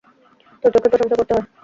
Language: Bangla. তোর চোখের প্রশংসা করতে হয়।